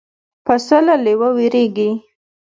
پسه له لېوه وېرېږي.